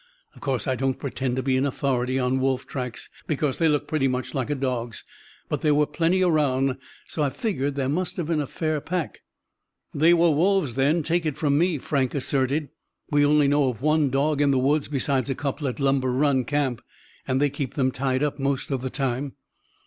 Of course, I don't pretend to be an authority on wolf tracks, because they look pretty much like a dog's; but there were plenty around, so I figured there must have been a fair pack." "They were wolves, then, take it from me," Frank asserted. "We only know of one dog in the woods besides a couple at Lumber Run Camp, and they keep them tied up most of the time."